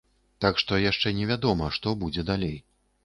Так што яшчэ невядома, што будзе далей.